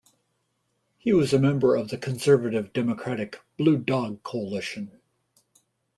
He was a member of the conservative Democratic Blue Dog Coalition.